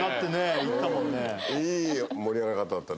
いい盛り上がり方だったね。